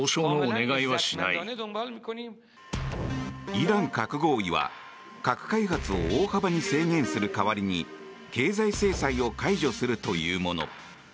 イラン核合意は核開発を大幅に制限する代わりに経済制裁を解除するというもの。